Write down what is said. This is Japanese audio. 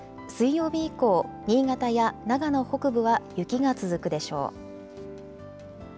水曜日以降、新潟や長野北部は雪が続くでしょう。